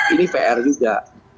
ini pr juga